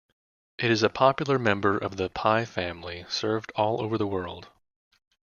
It is a popular member of the pie family served all over the world.